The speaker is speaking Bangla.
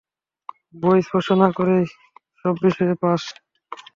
বই স্পর্শ না করেই সব বিষয়ে পাশ?